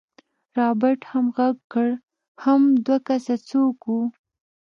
رابرټ هم غږ کړ حم دوه تنه څوک وو.